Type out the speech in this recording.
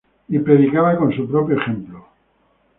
Y predicaba con su propio ejemplo.